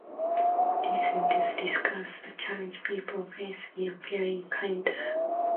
This sentence discusses the challenge people face in appearing kinder.